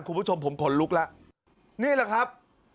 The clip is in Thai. คุณผู้ชมผมขนลุกแล้วนี่แหละครับ